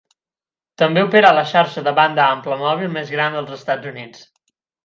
També opera la xarxa de banda ampla mòbil més gran dels Estats Units.